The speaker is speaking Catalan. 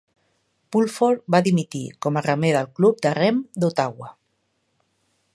Pulford va dimitir com a remer del Club de Rem d'Ottawa.